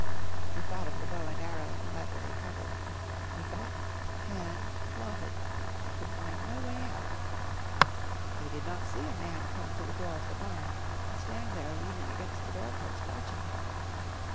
He thought of the bow and arrow in the library cupboard; he thought, planned, plotted, but could find no way out. He did not see a man come to the door of the barn and stand there leaning against the door post watching him.